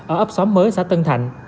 ở ấp xóm mới xã tân thạnh